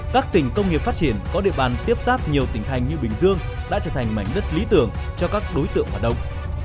các tỉnh công nghiệp phát triển có địa bàn tiếp xác nhiều tỉnh thành như bình dương đã trở thành mảnh đất lý tưởng cho các đối tượng hoạt động